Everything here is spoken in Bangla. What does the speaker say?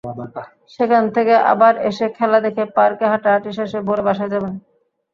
সেখান থেকে আবার এসে খেলা দেখে পার্কে হাঁটাহাঁটি শেষে ভোরে বাসায় যাবেন।